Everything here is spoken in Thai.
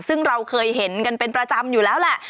ซึ่งเราเคยเห็นกันเป็นประจำอยู่แล้วแหละ